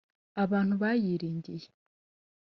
abantu bayiringire